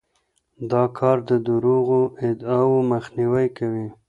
دا کار د دروغو ادعاوو مخنیوی کوي.